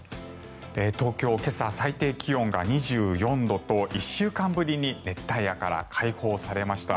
東京、今朝最低気温が２４度と１週間ぶりに熱帯夜から解放されました。